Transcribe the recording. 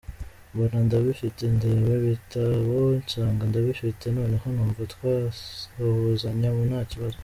Mbona ndabifite, ndeba ibitabo nsanga ndabifite, noneho numva twasuhuzanya nta kibazo.